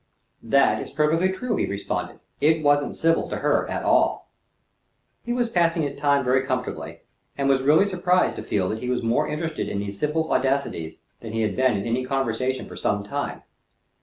"That is perfectly true," he responded. "It wasn't civil to her at all." He was passing his time very comfortably, and was really surprised to feel that he was more interested in these simple audacities than he had been in any conversation for some time.